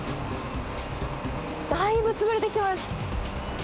だいぶ積まれてきてます。